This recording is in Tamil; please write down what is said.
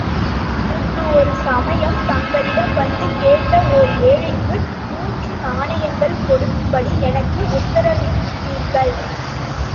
முன்பு ஒரு சமயம், தங்களிடம் வந்து கேட்ட ஓர் ஏழைக்கு, மூன்று நாணயங்கள் கொடுக்கும்படி எனக்கு உத்தரவிட்டீர்கள்.